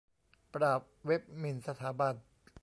ปราบเว็บหมิ่นสถาบัน